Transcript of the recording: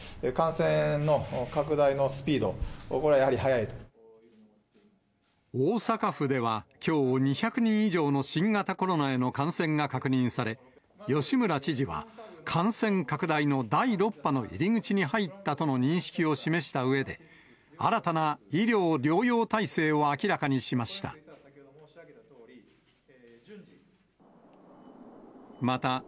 感染の拡大のスピード、大阪府ではきょう、２００人以上の新型コロナへの感染が確認され、吉村知事は、感染拡大の第６波の入り口に入ったとの認識を示したうえで、新たな医療・療養体制を明らかにしました。